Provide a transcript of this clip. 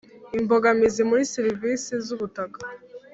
Imbogamizi muri serivisi z ubutaka